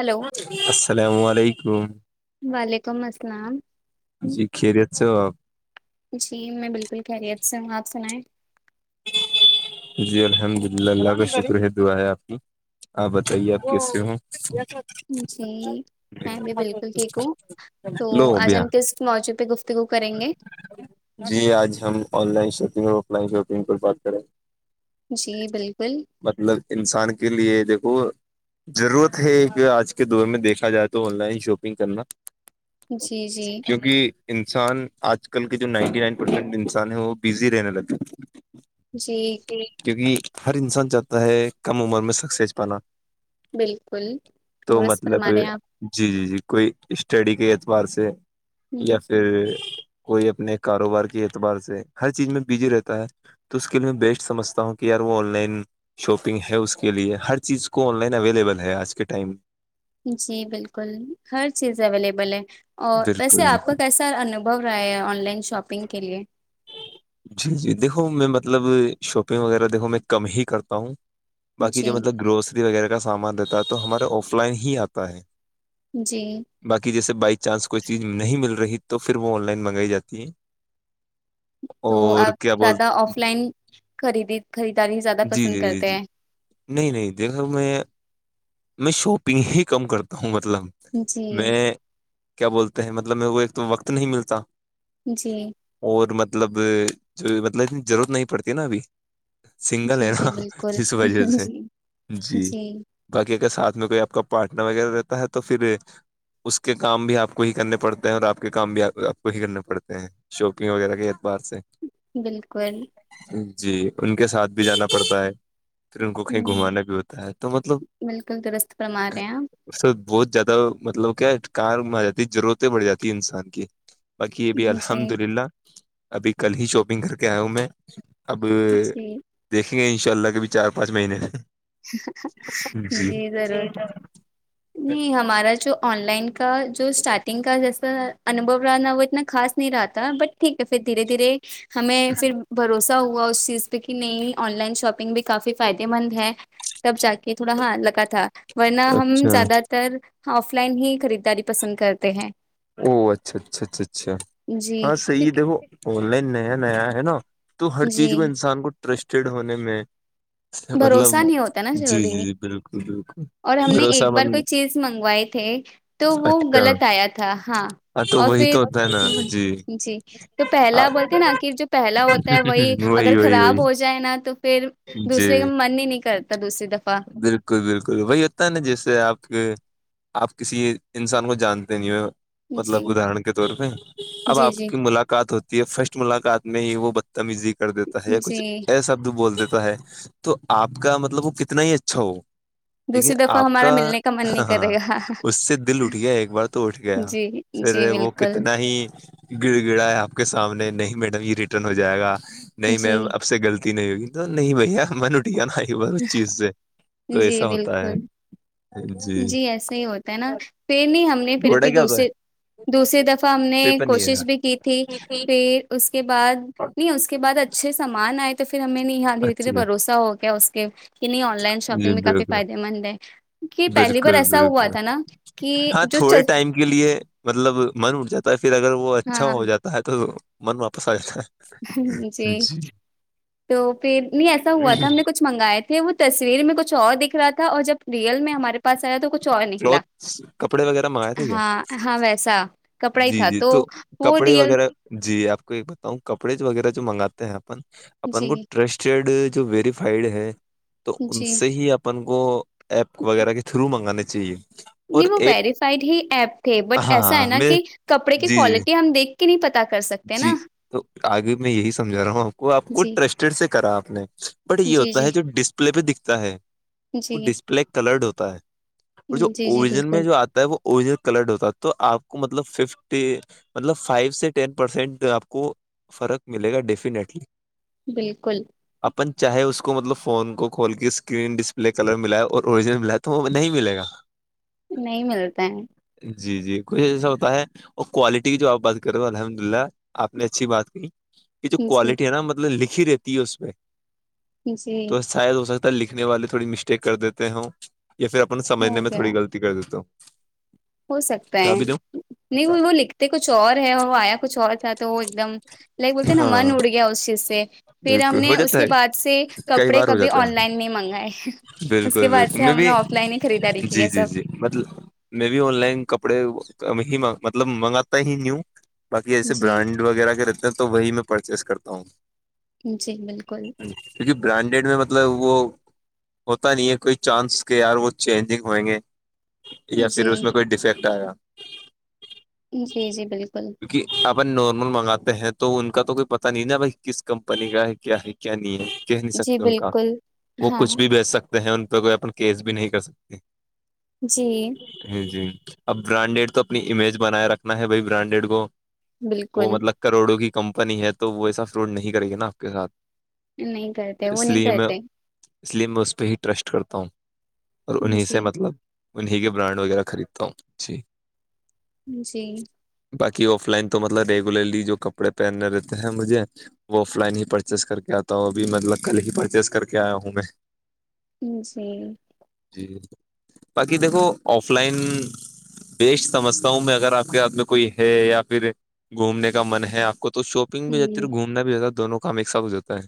Hello السلام علیکم وعلیکم السلام جی کھیر ج آپ جی میں بالکل خیریت سے ہوں آپ سنائیں جی الحمد للہلہ کا شکر ہے دعا ہے آپ کی آپ بتائیے آپ کیس سے ہو جی میں بھی بالکل ٹھیک ہوں تو لو آج بیا ہم کس موضوع پہ گفتگو کریں گے جی آج ہم آن لائن شاپنگ اور آف لائن شاپنگ پر بات کریں جی بالکل مطلب انسان کے لیے دیکھو ضرورت ہے ایک آج کے دور میں دیکھا جائے تو آن لائن شاپنگ کرنا جی جی کیونکہ انسان آج کل کے جو نائنٹی نائن پرسینٹ انسان ہے وہ بزی رہنے لگے جی کیونکہ ہر انسان چاہتا ہے کم عمر میں سکسیز پانا بالکل تو درست مطلب فرما رہے ہیں آپ جی جی جی کوئی اسٹڈی کے اعتبار سے ہوں، یا پھر کوئی اپنے کاروبار کے اعتبار سے ہر چیز میں بزی رہتا ہے تو اس کے لیے میں بیسٹ سمجھتا ہوں کہ یار وہ آن لائن شاپنگ ہے اس کے لیئے ہر چیز کو آن لائن اویلیبل ہے آج کے ٹائم جی بالکل ہر چیز اویلیبل ہے اور ویسے بالکل آپ کا کیسا انوبھو رہا ہے آن لائن شاپنگ کے لیے جی جی دیکھو میں مطلب شاپنگ وغیرہ دیکھو میں کم ہی کرتا ہوں باقی جی جو مطلب گروسری وغیرہ کا سامان دیتا ہے تو ہمارے آف لائن ہی آتا ہے جی باقی جیسے بائی چانس کوئی چیز نہیں مل رہی تو پھر وہ آن لائن منگائی جاتی ہے تو اور آپ کیا بول زیادہ آف لائن خریدی خریداری زیادہ جی پسند جی کرتے جی ہیں نہیں نہیں دیکھو میں میں شاپنگ ہی کم کرتا ہوں مطلب جی میں کیا بولتے ہیں مطلب میرے کو ایک تو وقت نہیں ملتا جی اور مطلب جو مطلب اتنی ضرورت نہیں پڑتی نا ابھی سنگل جی ہے جی نا بالکل اس وجہ سے جی جی باقی اگر ساتھ میں کوئی آپ کا پارٹنر وغیرہ رہتا ہے تو پھر اس کے کام بھی آپ کو ہی کرنے پڑتے ہیں اور آپ کے کام بھی آپ کو ہی کرنے پڑتے ہیں شاپنگ وغیرہ کے اعتبار سے بالکل جی ان کے ساتھ بھی جانا پڑتا ہے پھر ان کو کہیں ہم، گھمانا بھی ہوتا ہے تو مطلب بالکل درست فرما رہے آپ اس سے بہت زیادہ مطلب کیا ہے کار میں آ جاتی ضرورتیں پڑ جاتی ہے انسان کی باقی یہ بھی الحمد جی للہ ابھی کل ہی شاپنگ کر کے آیا ہوں میں اب جی دیکھیں گے ان شاء اللہ کے بھی چار پانچ مہینے جی ضرور نہیں ہمارا جو آن لائن کا جو اسٹارٹنگ کا جیسا انبو رہا نا وہ اتنا خاص نہیں رہاتا بٹ ٹھیک ہے پھر دھیرے دھیرے ہمیں پھر بھروسہ ہوا اس چیز کہ نہیں آن لائن شاپنگ بھی کافی فائدے مند ہے تب جا کے تھوڑا ہاں لگا تھا ورنہ ہم اچھا زیادہ تو آف لائن ہی خریداری پسند کرتے ہیں او اچھا اچھا اچھا اچھا جی ہاں صحیح ہے کیونکہ- دیکھو آن لائن نیا نیا ہے نا تو ہر چیز کو جی انسان کو ٹرسٹیڈ ہونے میں مطلب بھروسہ نہیں ہوتا نا جی جلدی جی جی بالکل بالکل اور ہم نے بھروسہ ایک بار مند کوئی چیز منگوائے تھے تو وہ اچھا غلط آیا تھا ہاں تو اور وہی پھر تو ہوتا ہے نا جی جی تو پہلا بولتے نا کہ جو پہلا ہوتا ہے وہی اگر وہی خراب ہو وہی جائے نا تو پھر جی دوسرے کا من ہی نہیں کرتا دوسری دفعہ بالکل بالکل وہی ہوتا ہے نا جیسے آپ کے آپ کسی انسان کو جان د جی مطلب ادارن کے طور پہ اب جی آپ جی کی ملاقات ہوتی فرسٹ ملاقات میں ہی وہ بدتمیزی کر دیتا ہے یا جی کچھ ایسا شبد بول دیتا ہے تو آپ کا مطلب وہ کتنا ہی اچھا ہو لیکن دوسری دفعہ آپ ہمارا کا ملنے من ہ نہیں کرے ہاں گا اس سے دل اٹھ گیا ایک بار تو اٹھ گیا جی پھر جی وہ بالکل کتنا نہیں گڑ گڑا یا آپ کے سامنے نہیں میڈم یہ ریٹرن ہو جائے گا نہیں جی میم اب سے غلطی نہیں ہوگی تو نہیں بھیا من اٹھیا ن ب اس چیز سے تو جی ایسا ہوتا بالکل ہے جی ایسا ہی ہوتا ہے نا پ نہیں ہم پھر ڈوڈا بھی کیا ہوتا ہے دوسری دوسری دفعہ ہم نے پیپر نہیں ہے کوشش بھی کی تھی پھر اس کے بعد نہیں اس کے بعد اچھے سامان آئے تو پھر ہمیں نہیں یہاں دھیرے دھیرے اچھا بھروسہ ہو گیا اس کے کہ نہیں آن لائن جی شاپنگ میں کافی بالکل فائدے مند ہے کہ پہلی بار بالکل ایسا ہوا بالکل تھا نا کہ ہاں جو چ تھوڑے ٹائم کے لیے مطلب من اٹھ جاتا ہے پھر اگر وہ اچھا ہاں ہو جاتا ہے تو من واپس آ جاتا ہے جی تو پھر نہیں ایسا ہوا تھا ہم نے کچھ منگائے تھے وہ تصویر میں کچ اور دکھ رہا تھا اور جب ریل میں ہمارے پ پاس آیا تو کچھ اور نکلا کلوتھس کپڑے وغیرہ منگائے تھے کیا ہاں ہاں ویسا کپڑا ہی جی تھا جی تو وہ کپڑے ریئل وغیرہ جی آپ کو ایک بتاؤں کپڑے وغیرہ جو منگاتے ہیں اپن اپن جی کو ٹرسٹ [unintelligible] جو ویریفائڈ ہے تو ان جی سے ہی آ اپن کو ایپ وغیرہ کے تھرو منگانے چاہیے اور نہیں وہ ایپ ویریفائڈ ہی ایپ تھے بٹ ہاں ایسا ہے ہاں نا میں کہ کپڑے کی جی جی کوالٹی ہم دیکھ کہ نہیں پتا کر سکتے تے نا جی تو آگے میں یہی سمجھا رہا ہوں آپ کو آپ کو جی ٹسٹیڈ سے کرا آپ نے بٹ یہ جی ہوتا جی ہے جو ڈس لے پہ دکھتا ہے وہ جی ڈسپلے کلرڈ ہوتا ہے اور جو جی جی اوریجن میں بالکل جو آتا ہے وہ اجنل کلرڈ ہوتا تو آپ کو مطلب ففٹی مطلب فائیو سے ٹین پرسینٹ آپ کو فرق ملے گا ڈیفینٹلی بالکل اپن چاہے اس کو مطلب فون کو کھول کے اسکرین ڈسپلے کلر ملاائے اوریجنل ملا تو وہ نہیں ملے گا نہیں ملتا ہے جی جی کچھ ایسا ہوتا ہے اور کوالٹی کی جو آپ بات کریں الحمد اللہ آپ نے اچھی بات کہ یہ جو کوالٹی جی ہے نا مطلب لکھی رہتی ہے اس پ میں جی شاید ہو سکتا ہے لکھنے والے تھوڑی مسٹیک کر دیتے ہ یا پھر اپنے سمجھنے ہو میں گیا تھوڑی غلط کر دی تو ہو سکتا ہے نہیں وہ اچھا وہ لکھتے کچھ اور ہے وہ آیا کچھ اور تھا تو وہ ایک دم لائگ بولتے ن من ہاں اڈگی اوشی سے پھر ہم بالکل ہو نے اس جاتا کے ہے بعد سے کئی کپڑے بار ہو کبھی جاتا آن ہے لائن نہیں منگائے اس کے بالکل بعد سے ہم نے آف لائن ہی خریداری کی ہے سب م میں بھی آن لائن کپڑے مطلب منگاتا ہی نیو باقی ایسے جی برانڈ وغیرہ کے رہتے ہیں تو وہی میں پرچیز کرتا ہوں جی بالکل کیونکہ برانڈیڈ میں مطلب وہ ہوتا نہیں ہے کوئی چانس کے یار وہ چینجنگ ہوئیں گے یا پھر جی اس میں کوئی ڈیفیکٹ آیا جی جی بالکل کیونکہ ان نارمل منگاتے ہیں تو ان کا تو کوئی پتا نہیں نا بھائی کس کمپنی کا ہے کیا ہے کیا نہیں ہے کہہ نہیں جی سکتے ان کا بالکل وہ ہاں کچھ بھی بیچ سکتے ہیں ان پہ کوئی اپن کیس بھی نہیں کر سکتے جی ہ جی اب برانڈیڈ تو اپنی امیج بناائے رکھنا ہے بائی برانڈیڈ کو وہ بالکل مطلب کروڑوں کی کمپنی ہے تو وہ ایسا فروڈ نہیں کرے گی نا آپ کے ساتھ نہیں کرتے وہ اس نہیں لیے میں کرتے اس پہ ہی ٹرسٹ کرتا ہوں اور انیں سے جی مطلب انیں کے برانڈ وغیرہ خریدتا ہوں جی جی باقی آف لائن تو مطلب ریگولرلی جو کپڑے پہننے رہتے ہیں مجھے وہ آف لائن ہی پرچیز کر کے آتا ہوں ابھی مطلب کل ہی پرچیز کر کے آیا ہوں میں جی جی باقی دیکھو آف لائن بیش سمجھتا ہوں میں اگر آپ کے ہاتھ میں کوئی ہے یا پھر گھومنے کا من ہے آپ کو تو شاپنگ بھی جاتی ہے ہوں اور گھومنا بھی جاتا ہے دونوں کا مکسپ ہو جاتا ہے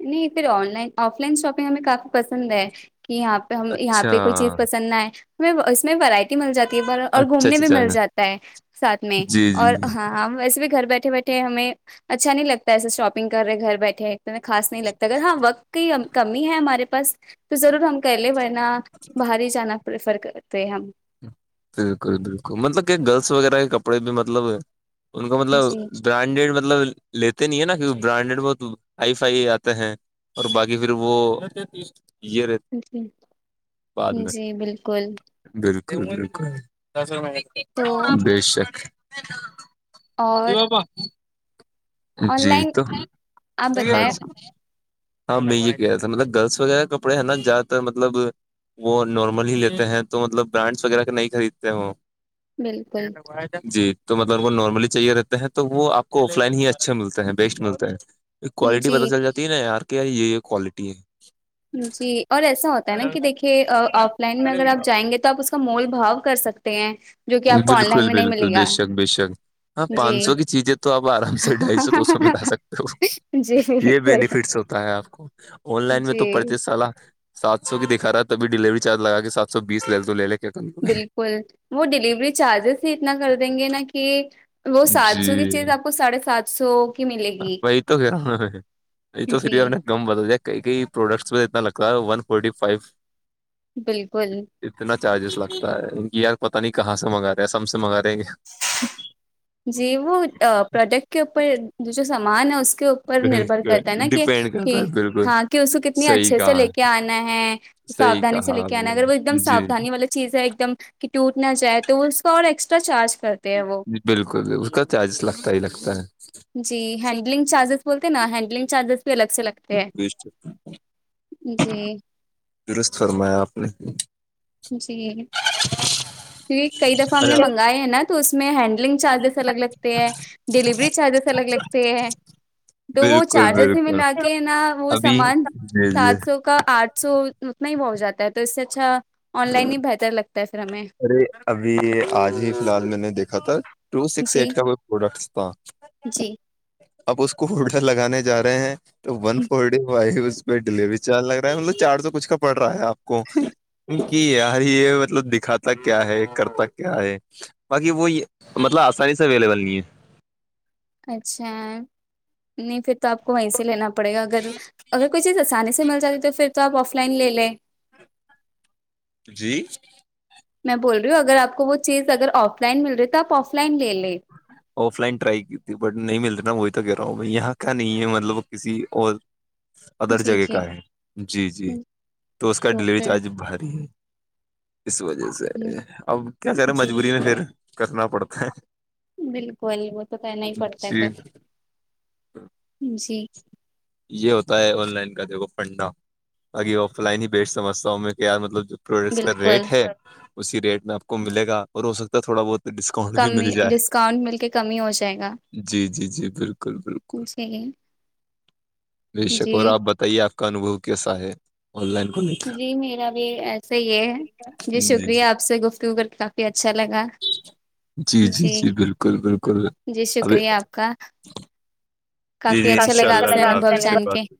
نہیں پھر online offline shopping ہمیں کافی پسند ہے کہ یہاں پہ ہم یہاں اچھا پہ کوئی چیز پسند نہئے اس میں ورائٹی مل جاتی ہے ب اور اچھا گھومنے بھی اچھا مل اچھا جاتا ہے سھ میں جی جی اور ہاں ویسے بھی گھر بیٹھے بیٹھے ہمیں اچھا نہیں لگتا ایسے شاپنگ کر رہے گھر بیٹھے ہیں ایک خاص نہیں لگتا اگر ہاں وقت ہی کمی ہے ہمارے پاس تو ضرور ہم کیہلے ورن باہر ہی جانا پریفر کرتے ہیں ہم بالکل بالکل مطلب کہ گرلس وغیرہ کے کپڑے بھی مطلب ان کا مطلب جی برانڈیڈ مطلب لیتے نہیں ہے نا کی برانڈیڈ بہت آئی فائی آتے ہیں اور باقی پھر وہ یہ رہ بعد جی میں جی بالکل بالکل بالکل تو بے شک اور بابا آن جی لائن تو آپ بتائیں ہاں میں یہ کہ رہ تھا مطلب گرلس وغیرہ کپڑے ہیں نا زیاد تر مطلب وہ نارمل ہی لیتے ہیں تو مطلب برانڈس وغیرہ کے نہیں خریدتے بالکل جی تو مطلب ان نارملی چاہیے رہتا ہے تو وہ آپ کو آف لائن ہی اچھا ملتا ہے بیسٹ ملتا ہے کوالٹی جی پتہ چل جاتی ہے نا آار کے یہ کوالٹی ہے جی اور ایسا ہوتا ہے نا کہ دھیے آف لائن میں اگر آپ جائیں گے تو آپ اس کا مول بھا کر سکتے ہیں جو کہ آپ کو آن بالکل لائن میں نہیں بالکل ملے گا بے شنک بے شنک ہاں جی پانچ سو کی چیزیں تو آپ آرام سے ڈھائی سو تو سو م لا جی سکتے یہ بالکل بینیفٹس ہوتا ہے آپ کو آن لائن میں تو جی پرڑچس سال سات سو کی دکھا رہا ہے تب ڈلیوری چارج لگا کے سات سو بیس لے ل تو لے لے کیا کر لے کل وہ ڈیلیوری چارجز ہی اتنا کر دیں گے نا کہ وہ گے. سات سو کی جی چیز آپ کو ساڑھے سات سو کی ملے گی نہیں تو پھر بھی اپ جی نے کم بدل دیا کئی کئی پروڈکٹس میں اتنا لگتا ہے ون فورٹی فائیو بالکل اتنا چارجز لگتا ہے ان کی یار پتاہ نہیں کہاں سے منگا رہے ہیں سم سے منگا رہیں گے جی وہ پروڈکٹ کے اوپر جو سامان ہے اس کے اوپر نربر کرتا ہے نا کہ ڈپینڈ کرتا ہے بالکل ہاں کہ اس کو کتنی صحیح اچھے سے لے کہا کے آنا ہے صحیح سادانی سے کہا لے کے آپ آنا ہے نے اگر وہ ایک دم جی سادانی والے چیز ہے ایک دم کہ ٹوٹ نہا جائے تو اس کا اور ایکسٹرا چارج کرتا جی بالکل اس کا چارجز لگتا ہی لگتا ہے جی ہینڈلنگ چارجز بولتے ہیں نا ہینڈلنگ چارجز بھی الگ سے لگتے ہیں [inaudible] جی درست فرمایا آپ نے جی کی کئی دفعہ ہم نے منگاائے ہیں نا تو اس میں ہینڈلنگ چارجز الگ لگتے ہیں ڈیلیوری چارجز الگ لگتے ہیں تو وہ بالکل چارجر سے بالکل ملا کے نہا وہ ابھی سامان جی جی سات سو کا آٹھ سو اتنا ہی بہ ہو جاتا ہے تو اس سے اچھا آن لائن ہی بہتر لگتا ہے پھر ہمیں ارے ابھی آج ہی فی الحال میں نے دیکھا تھا ٹو سکس جی ایٹ کا کو پروڈکٹ تھا جی اب اس کو ہولڈر لگانے جا رہے ہیں تو ون فورٹی فائیو اس پہ ڈیلیوری چارج لگا مطلب چار سو کچھ کا پڑ رہا ہے آپ کو یار یہ مطلب دکھاتا تک کیا ہے کر تک کیا ہے باقی وہ یہ مطلب آسانی سے اویلیبل نہیں ہے اچھا نہیں پھر تو آپ کو وہیں سے لینا پڑےا اگر اگر کوئی چیز آسانی سے مل جاتی تو پھر تو آپ آف لائن لے لیں جی میں بول رہی ہوں اگر آپ کو وہ چیز اگر آف لائن مل رہی ہے تو آف لائن لے لیں آف لائن ٹرائی کی تھی بٹ نہیں مل رہ نا وہی تو کہہ رہا ہوں بائی یہاں کا نہیں ہے مطلب کسی اور ادر جی جگہ کا جی ہے جی جی تو اس کا ڈلیوری چارج بھاری ہے اس وجہ سے اب کیا کر رہے جی مجبوری میں پھر کرنا پڑتا ہے بالکل وہ تو کرنا ہی پڑتا ہے جی پھر جی یہ ہوتا ہے آن لائن کا دیک پڑھنا اگھی آف لائن ہی بیٹ سمجھتا ہوں میں کہ یار مطلب جو پروڈکٹس کا بالکل ریٹ ہے اسی ریٹ میں آپ کو ملے گا اور ہو سکتا ہے تھوڑا بہت ڈک کنٹ بھی مل کمی جائے ڈسکاؤنٹ مل کے کمی ہو جائے گا جی جی جی بالکل بالکل جی بے شکور جی آپ بتائیے آپ کا انوبو کیسا ہے آن لائن کو جی میرا بھی ایسا یہ ہے جی شکریہ آپ سے گفتگو کر کے کافی اچھا لگا جی جی جی بالکل بالکل جی ابھی شکریہ آپ جی کافی جی ان اچھا شاء لگا اللہ آپ سے اللہ حافظ انوبو حافظ، پھر جان بات کے ہوگی۔